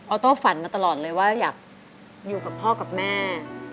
โต้ฝันมาตลอดเลยว่าอยากอยู่กับพ่อกับแม่